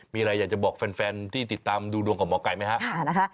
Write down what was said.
มีอะไรอยากจะบอกแฟนที่ติดตามดูดวงกับหมอไก่ไหมครับ